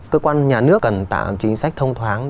cơ quan nhà nước cần tạo chính sách thông thoáng